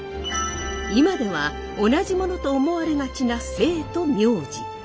今では同じものと思われがちな姓と名字。